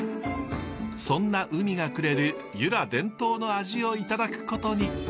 そんな海がくれる由良伝統の味をいただくことに。